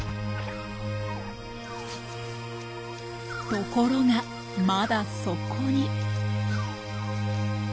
ところがまだそこに。